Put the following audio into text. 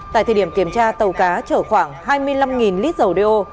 tại thời điểm kiểm tra tàu cá chở khoảng hai mươi năm lít dầu đeo